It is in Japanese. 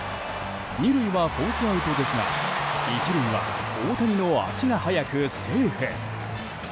２塁はフォースアウトですが１塁は大谷の足が速く、セーフ。